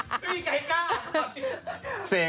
ไม่มีไก่กล้าหรอก